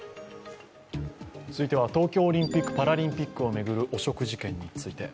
続いては東京オリンピック・パラリンピックを巡る汚職事件について。